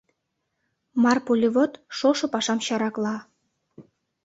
МАРПОЛЕВОД ШОШО ПАШАМ ЧАРАКЛА